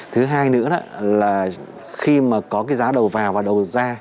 thứ hai nữa là khi mà có cái giá đầu vào và đầu ra